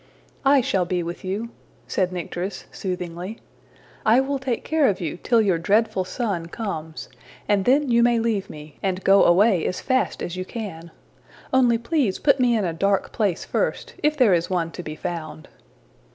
'' ``I shall be with you,'' said Nycteris, soothingly. ``I will take care of you till your dreadful sun comes, and then you may leave me, and go away as fast as you can. Only please put me in a dark place first, if there is one to be found.''